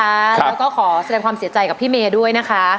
แล้วก็ขอแสดงความเสียใจกับพี่เมย์ด้วยนะคะ